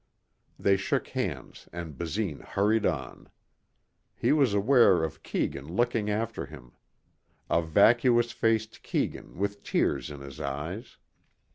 They shook hands and Basine hurried on. He was aware of Keegan looking after him. A vacuous faced Keegan with tears in his eyes.